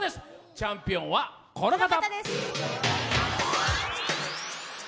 チャンピオンはこの方！